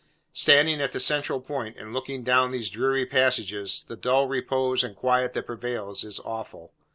Standing at the central point, and looking down these dreary passages, the dull repose and quiet that prevails, is awful.